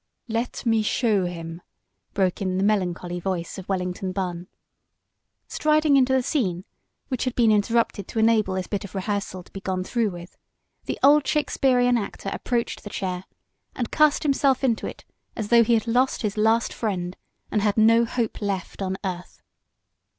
"Let me show him," broke in the melancholy voice of Wellington Bunn. Striding into the scene, which had been interrupted to enable this bit of rehearsal to be gone through with, the old Shakespearean actor approached the chair and cast himself into it as though he had lost his last friend, and had no hope left on earth.